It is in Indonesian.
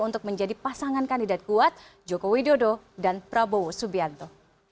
untuk menjadi pasangan kandidat kuat joko widodo dan prabowo subianto